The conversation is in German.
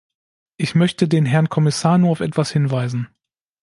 Ich möchte den Herrn Kommissar nur auf etwas hinweisen.